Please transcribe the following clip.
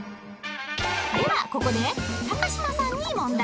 ではここで高島さんに問題！